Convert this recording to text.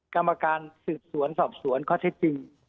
กรรมการสืบสวนสอบสวนข้อเท็จจริง